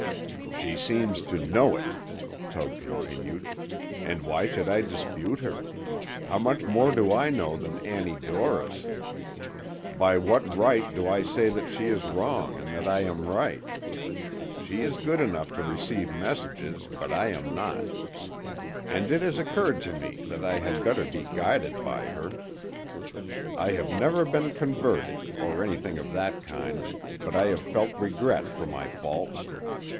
"She seems to know it," Tug continued, "and why should I dispute her? How much more do I know than Annie Dorris? By what right do I say that she is wrong, and that I am right? She is good enough to receive messages, but I am not; and it has occurred to me that I had better be guided by her. I have never been converted, or anything of that kind, but I have felt regret for my faults.